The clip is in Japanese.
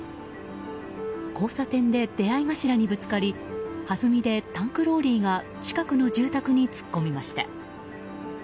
交差点で出合い頭にぶつかり弾みでタンクローリーが近くの住宅に突っ込みました。